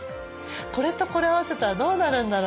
これとこれを合わせたらどうなるんだろうとか。